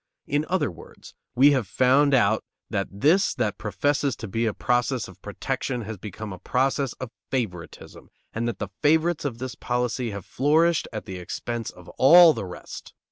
In other words, we have found out that this that professes to be a process of protection has become a process of favoritism, and that the favorites of this policy have flourished at the expense of all the rest.